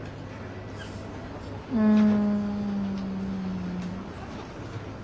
うん。